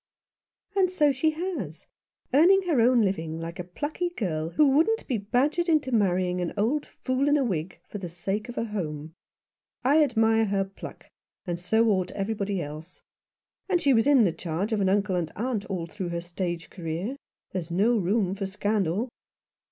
" And so she has ; earning her own living, like a plucky girl who wouldn't be badgered into marrying an old fool in a wig for the sake of a home. I admire her pluck, and so ought every body else. And she was in the charge of an uncle and aunt all through her stage career. There's no room for scandal."